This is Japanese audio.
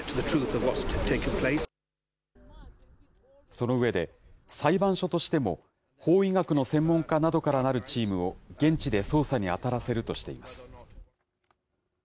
その上で、裁判所としても、法医学の専門家などからなるチームを現地で捜査に当たらせるとしています。